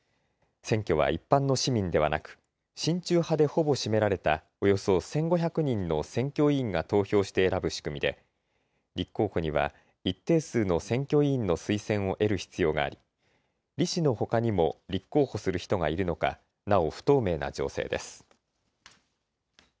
選挙は一般の市民ではなく親中派でほぼ占められたおよそ１５００人の選挙委員が投票して選ぶ仕組みで立候補には一定数の選挙委員の推薦を得る必要があり李氏のほかにも立候補する人がいるのか、なお不透明な情勢です。